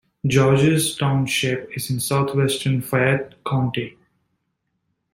Georges Township is in southwestern Fayette County.